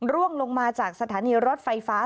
ร่วงลงมาจากสถานีรถไฟฟ้า